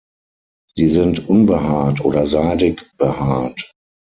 Sie sind unbehaart oder seidig behaart.